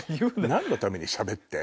何のためにしゃべって。